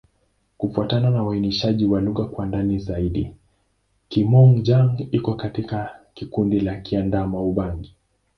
Kufuatana na uainishaji wa lugha kwa ndani zaidi, Kimom-Jango iko katika kundi la Kiadamawa-Ubangi.